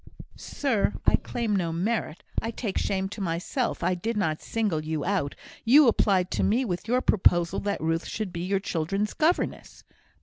"Sir! I claim no merit. I take shame to myself. I did not single you out. You applied to me with your proposal that Ruth should be your children's governess."